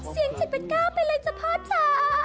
เสียงจิตเป็นก้าวไปเลยจ๊ะพ่อจ๊ะ